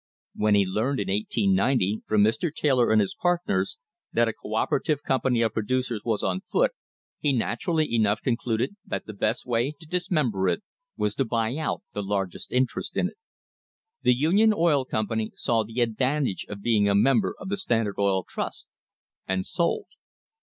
When he learned, in 1890, from Mr. Taylor and his partners, that a co operative company of producers was on foot, he naturally enough concluded that the best way to dismember it was to buy out the largest interest in it. The Union Oil Company saw the advantage of being a member of the Standard Oil Trust, and sold.